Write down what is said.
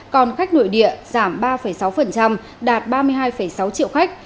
còn khách nội địa giảm ba sáu đạt ba mươi hai sáu triệu khách